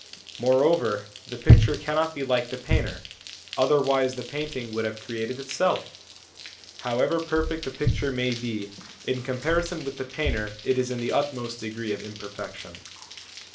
Moreover, the picture cannot be like the painter, otherwise the painting would have created itself. However perfect the picture may be, in com parison with the painter it is in the utmost degree of imperfection.